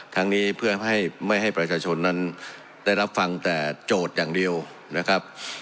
ทั้งนี้เพื่อไม่ให้ประชาชนนั้นได้รับฟังแต่โจทย์อย่างเดียวนะครับ